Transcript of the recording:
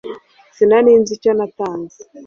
Sinari nzi icyo natanze